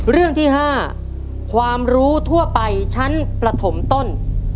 เรื่องที่๕ความรู้ทั่วไปชั้นประถมต้น